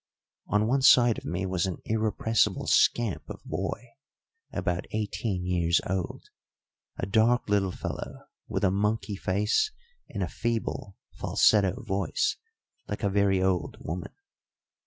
On one side of me was an irrepressible scamp of a boy about eighteen years old, a dark little fellow, with a monkey face and a feeble, falsetto voice like a very old woman.